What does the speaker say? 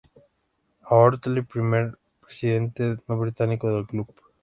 A. Ortelli, primer presidente no británico del club.